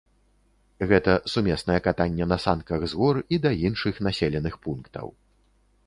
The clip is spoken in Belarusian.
Гэта сумеснае катанне на санках з гор і да іншых населеных пунктаў.